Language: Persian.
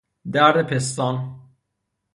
درد پستان